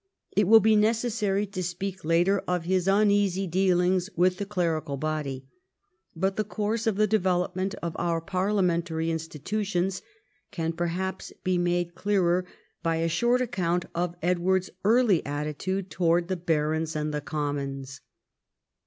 It will be necessary to speak later of his uneasy dealings with the clerical body ; but the course of the development of our parliamentary institutions can perhaps be made clearer by a short account of Edward's early attitude towards the barons and the commons.